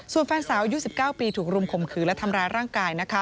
ส่วนแฟนสาวอายุ๑๙ปีถูกรุมข่มขืนและทำร้ายร่างกาย